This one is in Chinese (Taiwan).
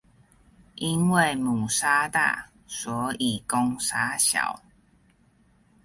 因為母鯊大，所以公鯊小